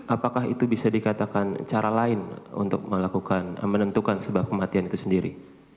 apakah itu bisa dikatakan cara lain untuk melakukan menentukan sebuah kematian itu sendiri